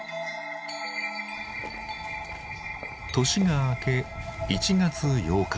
年が明け１月８日。